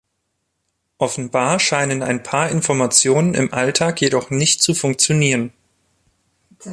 Offenbar scheinen ein paar Informationen im Alltag jedoch nicht zu funktionieren.